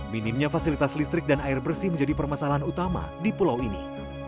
minimnya fasilitas listrik dan air bersih menjadi permasalahan utama di pulau ini